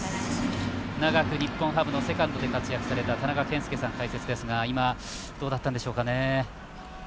長く日本ハムのセカンドで活躍された田中賢介さん、解説ですが今、どうだったですかね？